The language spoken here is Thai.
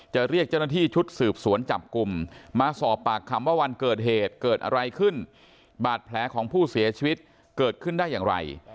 เรียกเจ้าหน้าที่ชุดสืบสวนจับกลุ่มมาสอบปากคำว่าวันเกิดเหตุเกิดอะไรขึ้นบาดแผลของผู้เสียชีวิตเกิดขึ้นได้อย่างไร